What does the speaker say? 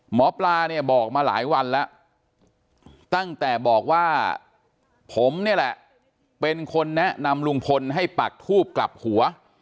หมอปลาเนี่ยบอกมาหลายวันแล้วตั้งแต่บอกว่าผมเนี่ยแหละเป็นคนแนะนำลุงพลให้ปักทูบกลับหัว